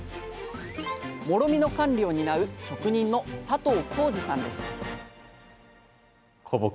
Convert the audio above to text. もろみの管理を担う職人の佐藤広司さんです